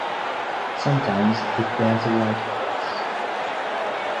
Sometimes it bears a white cross.